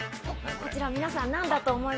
こちら皆さん何だと思いますか？